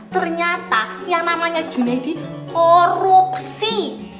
ternyata yang namanya junedi korupsi